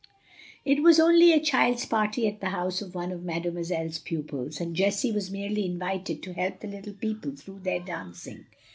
It was only a child's party at the house of one of Mademoiselle's pupils, and Jessie was merely invited to help the little people through their dancing.